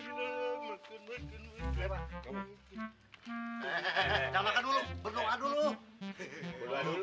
jangan makan dulu berdoa dulu